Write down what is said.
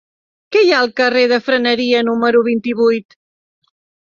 Què hi ha al carrer de Freneria número vint-i-vuit?